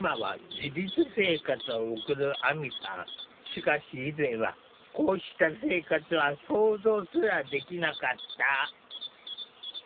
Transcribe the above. しかし以前はこうした生活は想像すらできなかった。